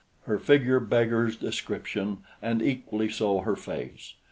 Her figure beggars description, and equally so, her face.